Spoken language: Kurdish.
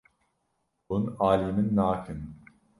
Hûn alî min nakin.